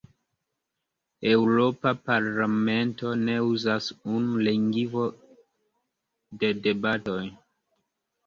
Eŭropa Parlamento ne uzas unu lingvon de debatoj.